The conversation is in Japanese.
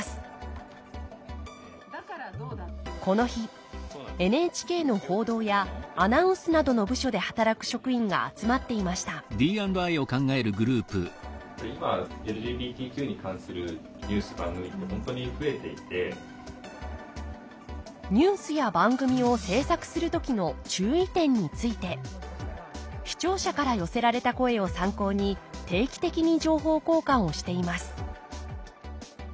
この日ＮＨＫの報道やアナウンスなどの部署で働く職員が集まっていましたニュースや番組を制作する時の注意点について視聴者から寄せられた声を参考に定期的に情報交換をしています